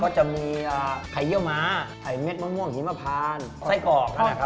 ก็จะมีไข่เยี่ยวม้าไข่เม็ดมะง่วงขิมพาพานไส้กรอบค่ะครับ